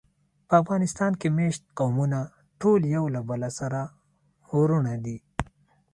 په افغانستان کې مېشت قومونه ټول یو له بله سره وروڼه دي.